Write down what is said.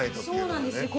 そうなんです。